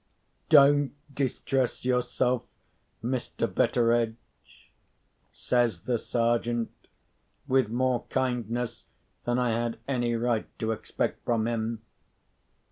"Don't distress yourself, Mr. Betteredge," says the Sergeant, with more kindness than I had any right to expect from him.